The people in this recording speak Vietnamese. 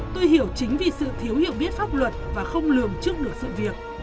tôi hiểu chính vì sự thiếu hiểu biết pháp luật và không lường trước được sự việc